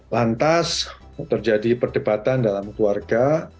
lantas terjadi perdebatan dalam keluarga